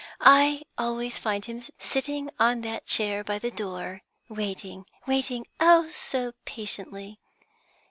I always find him sitting on that chair by the door, waiting, waiting, oh so patiently!